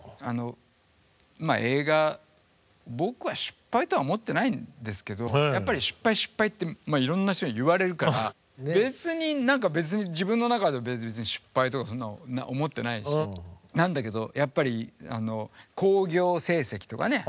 映画僕は失敗とは思ってないんですけど失敗失敗っていろんな人に言われるから別に何か別に自分の中で失敗とか思ってないしなんだけどやっぱりあの興行成績とかね